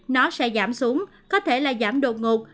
nó sẽ giảm xuống có thể là giảm đột ngột